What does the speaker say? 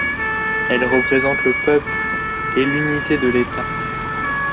Elle représente le peuple et l'unité de l’État.